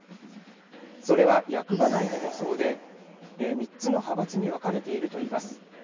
それは役場内でもそうで３つの派閥に分かれているといいます。